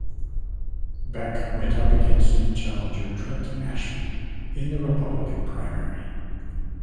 Beck went up against challenger Trent Ashby in the Republican primary.